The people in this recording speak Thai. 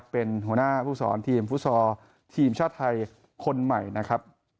เป็นหัวหน้าผู้สอนทีมฟุตซอลทีมชาติไทยคนใหม่นะครับ